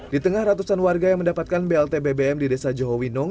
di tengah ratusan warga yang mendapatkan blt bbm di desa johowinong